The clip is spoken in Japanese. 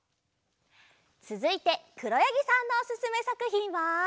つづいてくろやぎさんのおすすめさくひんは。